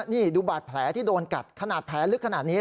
นี่ดูบาดแผลที่โดนกัดขนาดแผลลึกขนาดนี้